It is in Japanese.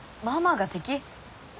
ママが敵。